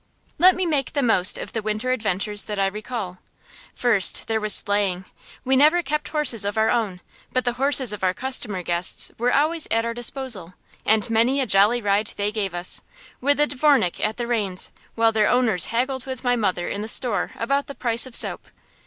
Let me make the most of the winter adventures that I recall. First, there was sleighing. We never kept horses of our own, but the horses of our customer guests were always at our disposal, and many a jolly ride they gave us, with the dvornik at the reins, while their owners haggled with my mother in the store about the price of soap.